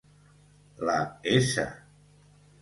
La S